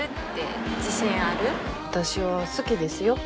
私は好きですよ。